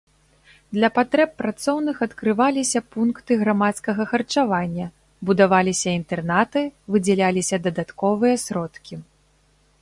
Для патрэб працоўных адкрываліся пункты грамадскага харчавання, будаваліся інтэрнаты, выдзяляліся дадатковыя сродкі.